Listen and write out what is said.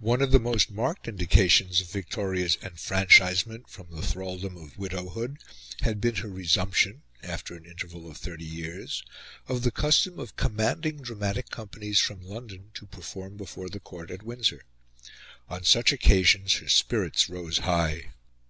One of the most marked indications of Victoria's enfranchisement from the thraldom of widowhood had been her resumption after an interval of thirty years of the custom of commanding dramatic companies from London to perform before the Court at Windsor. On such occasions her spirits rose high.